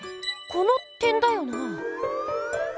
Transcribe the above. この点だよなぁ。